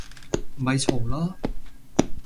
咪嘈啦